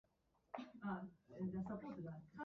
何かを考えているようにも、悩んでいるようにも見えた